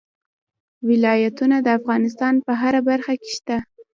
ولایتونه د افغانستان په هره برخه کې شته.